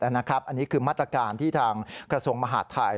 อันนี้คือมาตรการที่ทางกระทรวงมหาดไทย